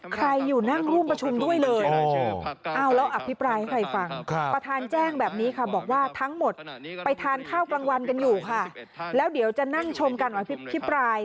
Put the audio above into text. คุณผู้ชมการอภิปราย